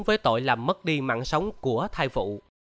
với tội làm mất đi mạng sống của thai phụ